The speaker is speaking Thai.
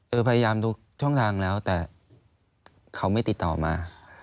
พยายามดูช่องทางแล้วแต่เขาไม่ติดต่อมา